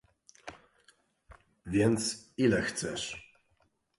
"Więc ile chcesz?..."